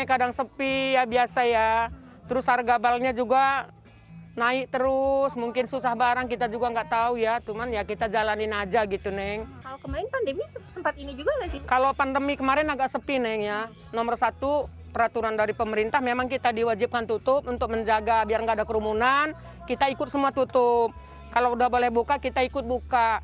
kalau sudah boleh buka kita ikut buka